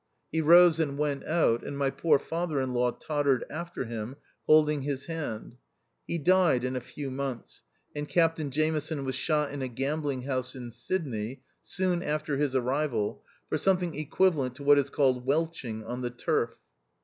He rose and went out, and my poor father in law tottered after him, holding his hand. He died in a few months ; and Captain Jameson was shot in a gambling house in Sydney, soon after his arrival, for something equivalent to what is called " welching " on the Turf.